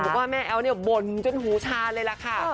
ว่าแม่แอ๊วเนี่ยบ่นจนหูชาเลยล่ะค่ะ